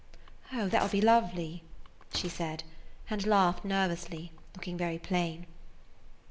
"Oh, that will be lovely," she said, and laughed nervously, looking very plain.